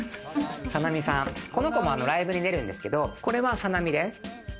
この子もライブに出るんですけど、これはサナミです。